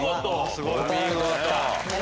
すごいね！